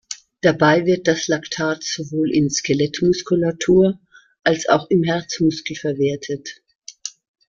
Dabei wird das Lactat sowohl in Skelettmuskulatur als auch im Herzmuskel verwertet.